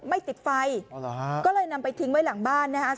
ไม่ติดไฟอ๋อเหรอเลยนำไปทิ้งไว้หลังอ้องบ้าน